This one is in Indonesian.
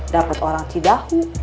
dapet orang cidahu